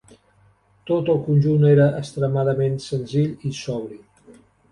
Tot el conjunt era extremadament senzill i sobri.